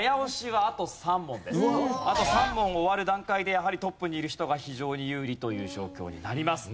あと３問終わる段階でやはりトップにいる人が非常に有利という状況になります。